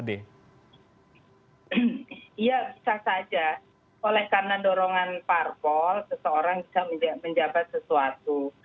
oleh karena dorongan parpol seseorang bisa menjabat sesuatu